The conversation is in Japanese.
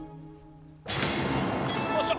よっしゃ！